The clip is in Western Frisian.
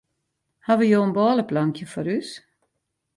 Hawwe jo in bôleplankje foar ús?